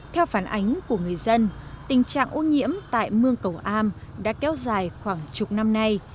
theo phản ánh của người dân tình trạng ô nhiễm tại mương cầu am đã kéo dài khoảng chục năm nay